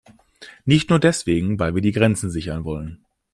Nicht nur deswegen, weil wir die Grenzen sichern wollen.